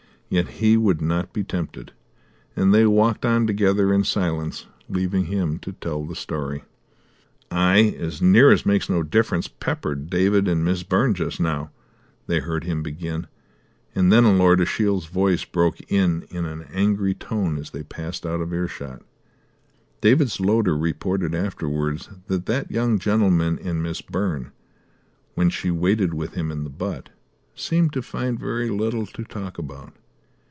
Yet he would not be tempted, and they walked on together in silence, leaving him to tell the story. "I as near as makes no difference peppered David and Miss Byrne just now," they heard him begin, and then Lord Ashiel's voice broke in in an angry tone as they passed out of earshot. David's loader reported afterwards that that young gentleman and Miss Byrne, when she waited with him in the butt, seemed to find very little to talk about.